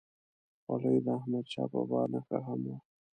خولۍ د احمدشاه بابا نښه هم وه.